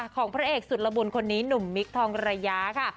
ของพระเอกสุดละบุญคนนี้หนุ่มมิคทองระยะค่ะ